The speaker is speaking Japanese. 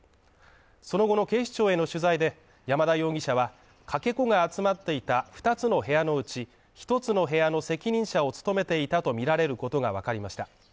その後の警視庁への取材で山田容疑者は、かけ子が集まっていた二つの部屋のうち、一つの部屋の責任者を務めていたとみられることがわかりました。